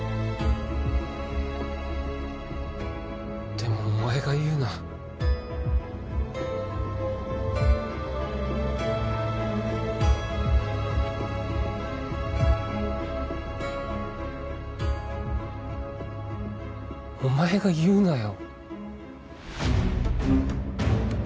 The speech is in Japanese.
でもお前が言うなお前が言うなよ